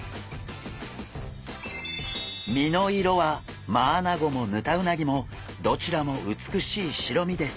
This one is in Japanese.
身の色はマアナゴもヌタウナギもどちらも美しい白身です。